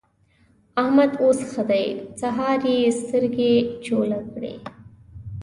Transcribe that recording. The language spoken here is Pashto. احمد اوس ښه دی؛ سهار يې سترګې چوله کړې.